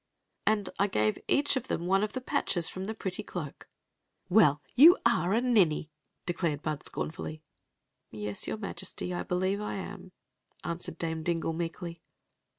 " And I gave each of them CHie of the patches kmk Ae {HP^ty doak." you 4fm a mmnyl" declared Bud, scornfully. "Yes, your Majesty; I believe I am," answered Dame Dingle, meekly.